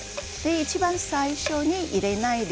いちばん最初に入れないで。